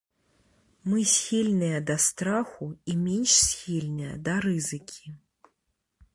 Мы схільныя да страху і менш схільныя да рызыкі.